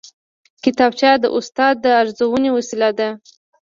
کتابچه د استاد د ارزونې وسیله ده